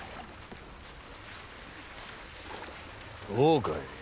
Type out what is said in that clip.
そうかい。